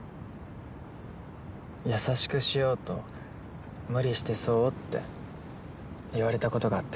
優しくしようと無理してそうって言われた事があって。